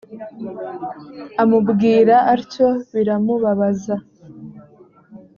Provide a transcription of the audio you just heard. amubwira atyo biramubabaza.